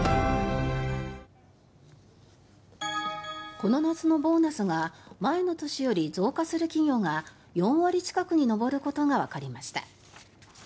この夏のボーナスが前の年より増加する企業が４割近くに上ることがわかりました。